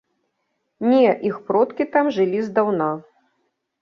Не, іх продкі там жылі здаўна.